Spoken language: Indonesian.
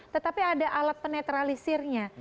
tetapi ada alat penetralisirnya